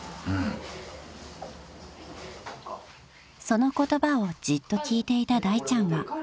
［その言葉をじっと聞いていただいちゃんは］